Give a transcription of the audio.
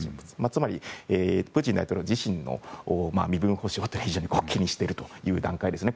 つまり、プーチン大統領自身の身分保障というのを非常に気にしているという段階ですね